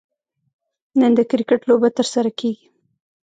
نن د کرکټ لوبه ترسره کیږي